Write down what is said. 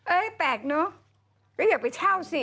แปลกเนอะก็อย่าไปเช่าสิ